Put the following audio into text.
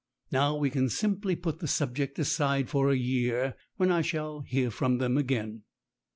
Now we can simply put the subject aside for a year, when I shall hear from them again."